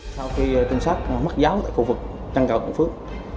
sau khi chân sát mất giáo tại khu vực chân cầu thuận phước